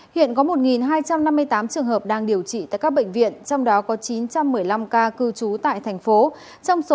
hiện có một hai trăm năm mươi tám trường hợp đang điều trị tại các bệnh viện trong đó có chín trăm một mươi năm ca cư trú tại thành phố